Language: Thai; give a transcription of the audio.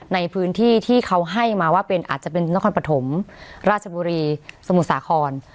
ในพื้นที่ที่เขาให้มาว่าเป็นอาจจะเป็นนครปฐมราชบุรีสมุทรสาคร